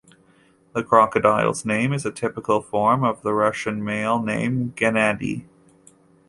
The crocodile's name is a typical form of the Russian male name Gennady.